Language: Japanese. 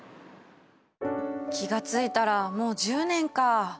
気が付いたらもう１０年か。